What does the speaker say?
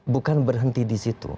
bukan berhenti di situ